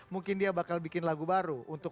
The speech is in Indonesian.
mungkin dia bakal bikin lagu baru untuk